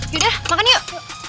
yaudah makan yuk